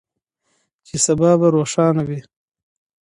چې سبا به روښانه وي.